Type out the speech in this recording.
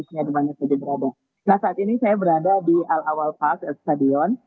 nah saat ini saya berada di al awal park stadion